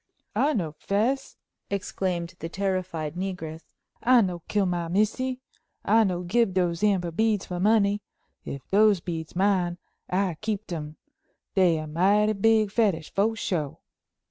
"I no 'fess!" exclaimed the terrified negress. "I no kill my missy! I no gib dose amber beads for money. If dose beads mine, I keep dem; dey a mighty big fetish, for sure!"